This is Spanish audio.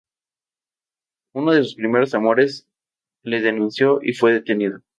Uno de sus primeros amores le denunció y fue detenido.